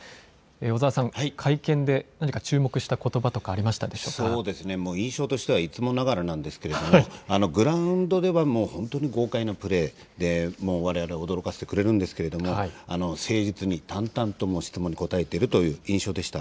小澤さん、会見で何か注目したことばとか印象としてはいつもながらなんですけれども、グラウンドでは、本当に豪快なプレーでわれわれを驚かせてくれるんですけれども、誠実に、淡々と質問に答えているという印象でした。